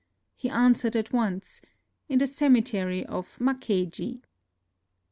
He answered at once, " In the cemetery of Makkeiji."